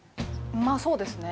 まあ、そうですね。